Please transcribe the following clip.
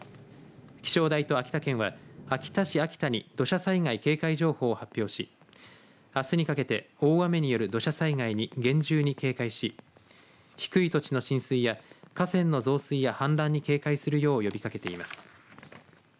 気象台と秋田県は秋田市秋田に土砂災害警戒情報を発表しあすにかけて大雨による土砂災害に厳重に警戒し低い土地の浸水や河川の増水や氾濫に警戒するよう呼びかけています。